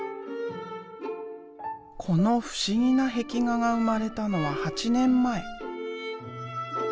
この不思議な壁画が生まれたのは８年前。